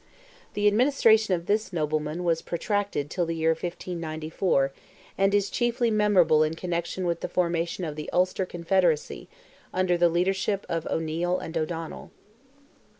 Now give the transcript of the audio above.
The administration of this nobleman was protracted till the year 1594, and is chiefly memorable in connection with the formation of the Ulster Confederacy, under the leadership of O'Neil and O'Donnell.